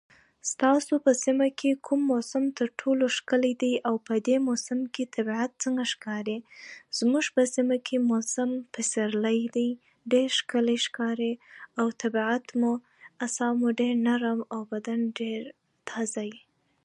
ستاسو په سیمه کې کوم موسم تر ټولو ښکل دی او په دې موسم کې طبيعت څنکه ښکاري زموږ په سیمه کې موسم پسرلی دی ډیر ښکلی ښکاري او طبيعت مو اعصاب مو ډیر نرم او بدن مو تازه وي